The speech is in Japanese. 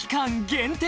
限定